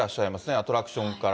アトラクションから。